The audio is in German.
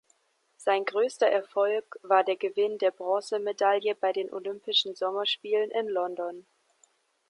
Sein größter Erfolg war der Gewinn der Bronzemedaille bei den Olympischen Sommerspielen in London.